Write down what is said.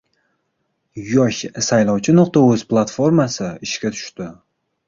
"Yoshsaylovchi.uz" platformasi ishga tushdi